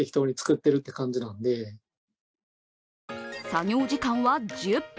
作業時間は１０分。